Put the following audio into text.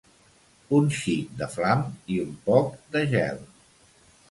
Un xic de flam i un poc de gel.